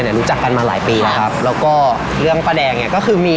ก็คือบ้านชัดบริรักษ์คุณบรกกรเพราะเลยส่งน้องชายมาเป็นตัวแทนวันนี้